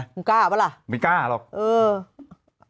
นายกล้าเปล่าล่ะไม่กล้าหรอกเออ